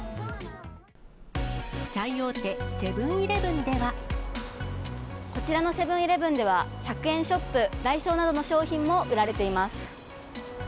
最大手、こちらのセブンーイレブンでは、１００円ショップ、ダイソーなどの商品も売られています。